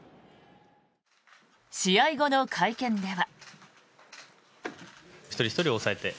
試合後の会見では。